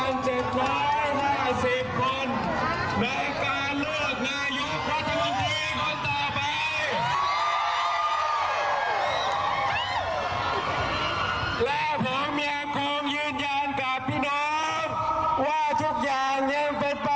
และผมยังคงยืนยันกับพี่น้องว่าทุกอย่างยังเป็นไปได้ด้วยดี